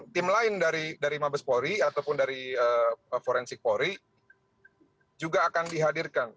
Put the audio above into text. tim lain dari mabes polri ataupun dari forensik polri juga akan dihadirkan